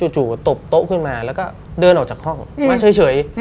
จู่ตบโต๊ะขึ้นมาแล้วก็เดินออกจากห้องมาเฉย